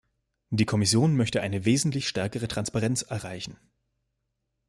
Die Kommission möchte eine wesentlich stärkere Transparenz erreichen.